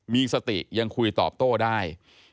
มีสติยังคุยตอบโต้ได้